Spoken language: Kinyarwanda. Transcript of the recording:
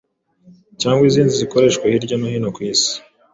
cyangwa izindi zikoreshwa hirya no hino ku isi,